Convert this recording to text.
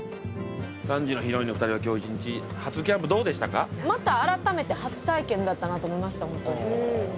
３時のヒロインの２人はまた改めて初体験だったなと思いましたホントに。